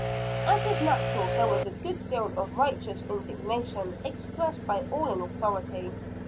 As was natural, there was a good deal of righteous indignation expressed by all in authority.